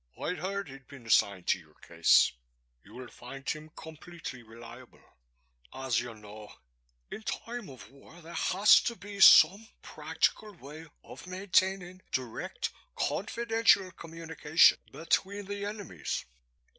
I'd heard he'd been assigned to your case. You'll find him completely reliable. As you know, in time of war there has to be some practical way of maintaining direct confidential communication between the enemies.